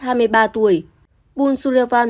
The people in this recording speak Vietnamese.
hai mươi ba tuổi bun su le van